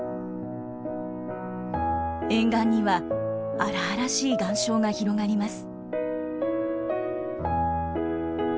沿岸には荒々しい岩礁が広がります。